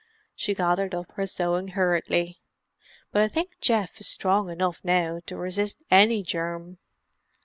She gathered up her sewing hurriedly. "But I think Geoff is strong enough now to resist any germ."